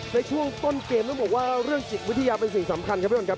ในช่วงต้นเกมต้องบอกว่าเรื่องจิตวิทยาเป็นสิ่งสำคัญครับพี่บอลครับ